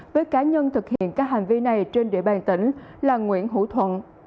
với cá nhân thực hiện các hành vi này trên địa bàn tỉnh là nguyễn hữu thuận